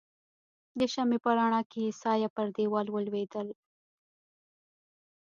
د شمعې په رڼا کې يې سایه پر دیوال ولوېدل.